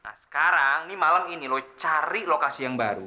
nah sekarang ini malam ini loh cari lokasi yang baru